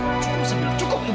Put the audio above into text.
bantuan kamu cukup cukup